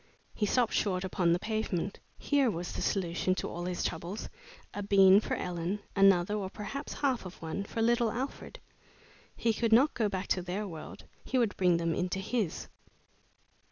He stopped short upon the pavement. Here was the solution to all his troubles: a bean for Ellen; another, or perhaps half of one, for little Alfred! He could not go back to their world; he would bring them into his!